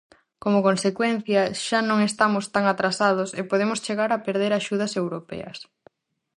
Como consecuencia, xa non estamos tan atrasados e podemos chegar a perder axudas europeas.